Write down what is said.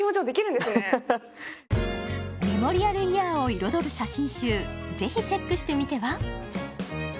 メモリアルイヤーを彩る写真集ぜひチェックしてみては？